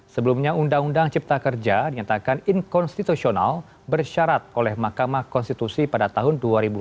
sebelumnya undang undang cipta kerja dinyatakan inkonstitusional bersyarat oleh mahkamah konstitusi pada tahun dua ribu empat belas